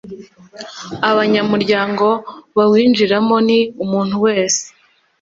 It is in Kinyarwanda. abanyamuryango bawinjiramo ni umuntu wese